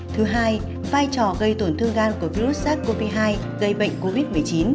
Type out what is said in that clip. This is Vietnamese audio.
thứ hai vai trò gây tổn thương gan của virus sars cov hai gây bệnh covid một mươi chín